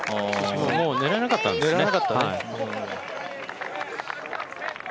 もう狙えなかったね。